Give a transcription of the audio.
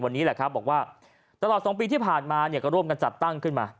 วันนี้แหละครับบอกว่าตลอด๒ปีที่ผ่านมาเนี่ยก็ร่วมกันจัดตั้งขึ้นมา